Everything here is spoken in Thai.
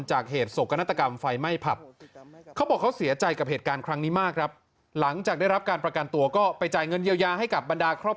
จากเหตุสกนตรกรรมไฟไม่ผับ